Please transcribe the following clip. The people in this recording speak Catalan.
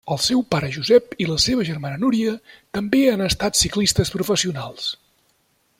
El seu pare Josep i la seva germana Núria, també han estat ciclistes professionals.